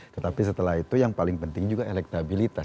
tetapi setelah itu yang paling penting juga elektabilitas